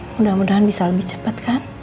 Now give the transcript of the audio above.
mudah mudahan bisa lebih cepat kan